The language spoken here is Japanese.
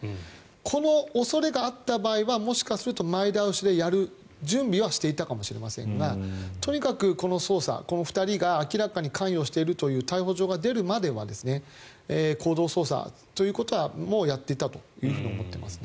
この恐れがあった場合はもしかすると前倒しでやる準備はしていたかもしれませんがとにかくこの捜査この２人が明らかに関与しているという逮捕状が出るまでは行動捜査ということもやっていたと思っています。